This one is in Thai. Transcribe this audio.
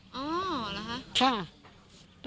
อ๋อหรือคะค่ะ